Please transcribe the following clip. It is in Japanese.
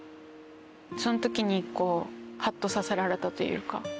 その時にハッとさせられたというか。